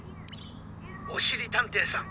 「おしりたんていさん